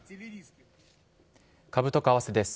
株と為替です。